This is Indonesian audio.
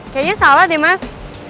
kayaknya salah deh mas